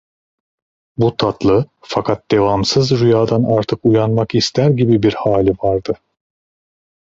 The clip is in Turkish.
Bu tatlı, fakat devamsız rüyadan artık uyanmak ister gibi bir hali vardı.